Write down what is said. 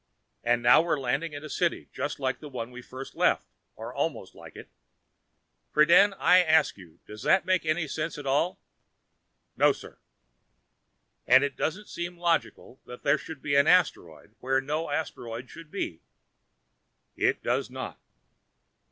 And now we're landing in a city just like the one we first left, or almost like it. Friden, I ask you, does that make any sense at all?" "No, sir." "And does it seem logical that there should be an asteroid where no asteroid should be?" "It does not."